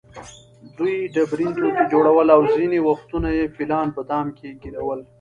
دوی ډبرین توکي جوړول او ځینې وختونه یې فیلان په دام کې ګېرول.